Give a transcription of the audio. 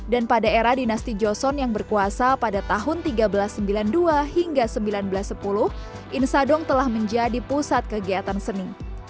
dan pada era dinasti joseon yang berkuasa pada tahun seribu tiga ratus sembilan puluh dua hingga seribu sembilan ratus sepuluh insadong telah menjadi pusat kegiatan seni